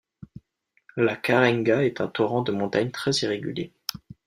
La Karenga est un torrent de montagne très irrégulier.